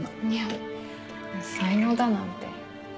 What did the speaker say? いや才能だなんて。